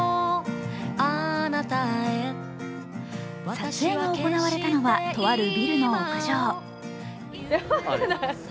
撮影が行われたのはとあるビルの屋上。